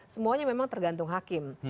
semuanya memang tergantung hakim